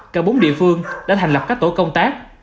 cả bốn địa phương đã thành lập các tổ công tác